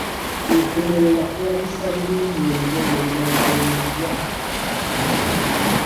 Okugolola kulabisa bulungi olugoye oluba lugoloddwa!